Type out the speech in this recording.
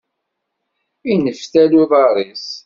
Inneftal uḍaṛ-is.